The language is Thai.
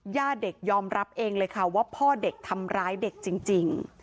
ญาติเด็กยอมรับเองเลยค่ะว่าพ่อเด็กทำร้ายเด็กจริง